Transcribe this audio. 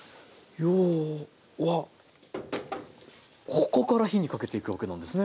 要はここから火にかけていくわけなんですね。